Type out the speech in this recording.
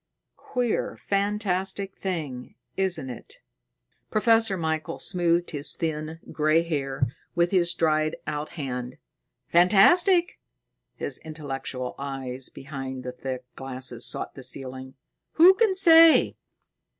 "Queer, fantastic thing, isn't it?" Professor Michael smoothed his thin, gray hair with his dried out hand. "Fantastic?" His intellectual eyes behind the thick glasses sought the ceiling. "Who can say?